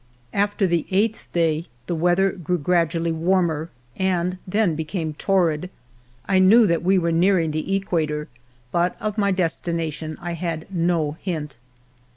After the eighth day the weather grew gradu ally warmer, and then became torrid. I knew that we were nearing the equator, but of my des tination I had no hint.